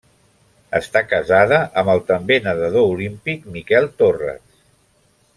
Està casada amb el també nedador olímpic Miquel Torres.